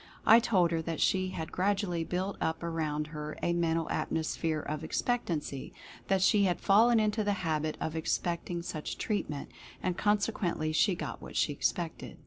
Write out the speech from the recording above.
T told her that she had gradually built up around her a Mental Atmosphere of Expectancy — that she had fallen into the habit of expecting such treatment, and consequently she got what she expected.